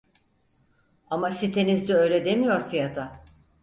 Ama sitenizde öyle demiyor fiyata